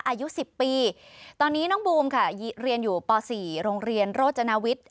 อายุ๑๐ปีตอนนี้น้องบูมค่ะเรียนอยู่ป๔โรงเรียนโรจนาวิทย์